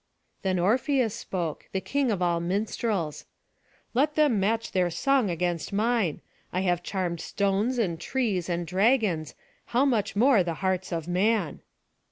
Then Orpheus spoke, the king of all minstrels: "Let them match their song against mine. I have charmed stones, and trees, and dragons, how much more the hearts of man!"